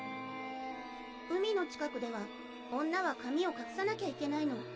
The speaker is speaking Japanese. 海の近くでは女は髪を隠さなきゃいけないの。